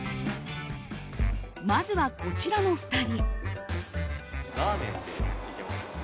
まずは、こちらの２人。